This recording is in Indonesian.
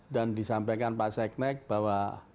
dan disampaikan pak seknek bahwa